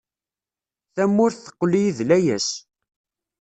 Tamurt teqqel-iyi d layas.